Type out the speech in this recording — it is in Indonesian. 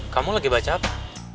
kamu lagi baca apa